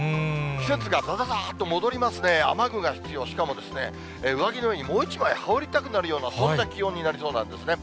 季節がざざざっと戻りますね、雨具が必要、しかもですね、上着の上にもう一枚羽織りたくなるようなそんな気温になりそうなんですね。